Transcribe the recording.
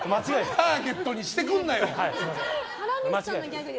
ターゲットにしてくんなよ。